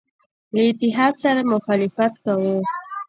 له اتحاد سره مخالفت کاوه.